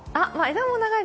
枝が長い。